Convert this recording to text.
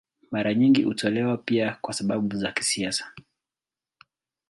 Mara nyingi hutolewa pia kwa sababu za kisiasa.